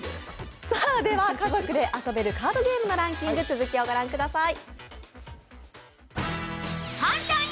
では、家族で遊べるカードゲームのランキング、続きを御覧ください。